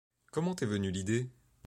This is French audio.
Comment t’es venue l’idée ?